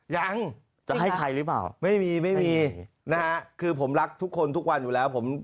ยังจะให้ใครหรือเปล่าไม่มีคือผมรักทุกคนทุกวันอยู่แล้ว